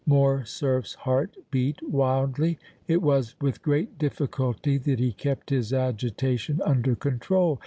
Morcerf's heart beat wildly; it was with great difficulty that he kept his agitation under control.